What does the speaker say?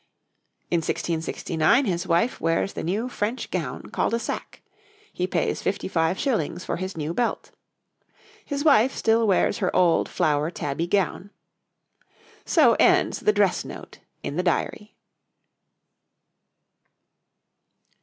In 1669 his wife wears the new French gown called a sac; he pays 55s. for his new belt. His wife still wears her old flower tabby gown. So ends the dress note in the Diary.